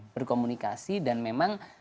berkomunikasi dan memang